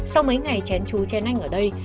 sau mấy ngày chén chú chén anh ở đây